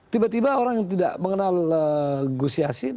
tiba tiba orang yang tidak mengenal gus yassin